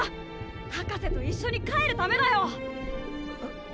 博士と一緒に帰るためだよ！